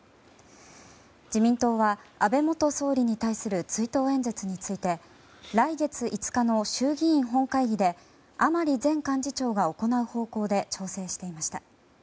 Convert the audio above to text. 自民党は安倍元総理に対する追悼演説について来月５日の衆議院本会議で甘利前幹事長が行う方向で調整していました。